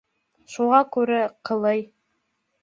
Шуға күрә ҡылый.